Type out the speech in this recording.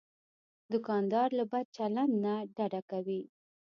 دوکاندار له بد چلند نه ډډه کوي.